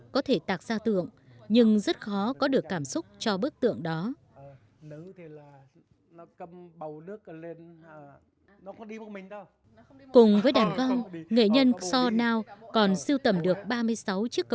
có thể là tình cảm với một người con gái